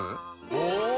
お！